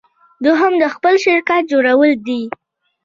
دوهم د خپل شرکت جوړول دي.